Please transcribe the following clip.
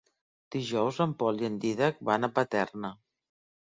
Dijous en Pol i en Dídac van a Paterna.